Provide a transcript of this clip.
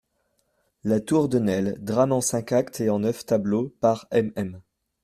=La Tour de Nesle.= Drame en cinq actes et en neuf tableaux, par MM.